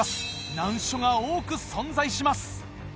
難所が多く存在します。